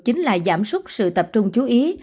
chính là giảm súc sự tập trung chú ý